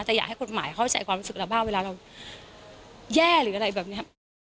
แต่อยากให้กฎหมายเข้าใจความรู้สึกเราบ้างเวลาเราแย่หรืออะไรแบบนี้